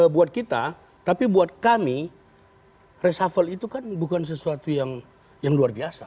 buat kita tapi buat kami resafel itu kan bukan sesuatu yang luar biasa